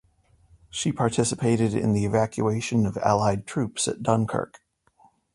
She participated in the evacuation of Allied troops at Dunkirk.